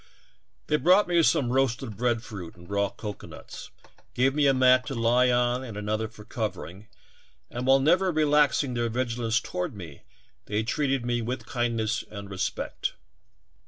They brought me some roasted bread fruit and raw cocoanuts, gave me a mat to lie on and another for covering, and while never relaxing Captured by cannibals. 55 their vigilance toward me they treated me with kindness and respect.